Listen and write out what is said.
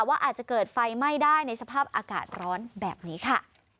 ว่าอาจจะเกิดไฟไหม้ได้ในสภาพอากาศร้อนแบบนี้ค่ะ